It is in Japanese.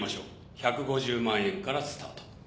１５０万円からスタート。